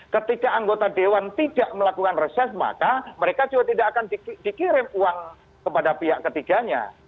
ketika anggota dewan tidak melakukan reses maka mereka juga tidak akan dikirim uang kepada pihak ketiganya